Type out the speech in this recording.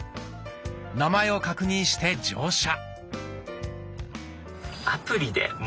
名前を確認して乗車。